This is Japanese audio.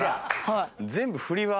はい。